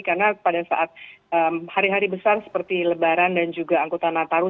karena pada saat hari hari besar seperti lebaran dan juga angkutan natarun